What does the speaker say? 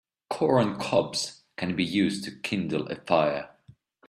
Corn cobs can be used to kindle a fire.